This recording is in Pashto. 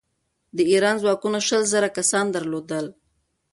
د ایران ځواکونو شل زره کسان درلودل.